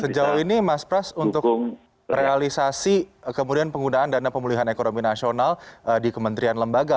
sejauh ini mas pras untuk realisasi kemudian penggunaan dana pemulihan ekonomi nasional di kementerian lembaga